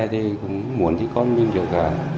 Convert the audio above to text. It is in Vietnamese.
thì muốn thì con mình được